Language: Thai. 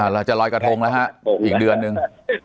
เราจะลอยกระทงแล้วฮะอีกเดือนหนึ่ง